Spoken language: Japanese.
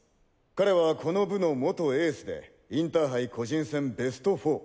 彼はこの部の元エースでインターハイ個人戦ベスト４。